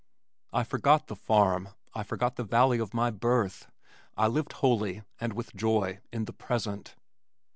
I forgot the farm, I forgot the valley of my birth, I lived wholly and with joy in the present.